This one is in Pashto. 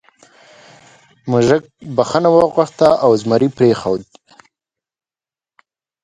موږک بخښنه وغوښته او زمري پریښود.